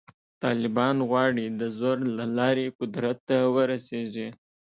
طالبان غواړي د زور له لارې قدرت ته ورسېږي.